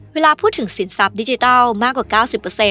เวลาพูดถึงสินทรัพย์ดิจิทัลมากกว่า๙๐